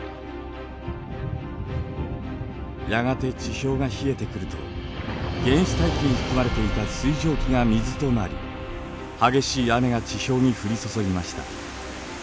やがて地表が冷えてくると原始大気に含まれていた水蒸気が水となり激しい雨が地表に降り注ぎました。